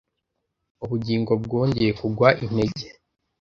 Ubugingo bwongeye kugwa intege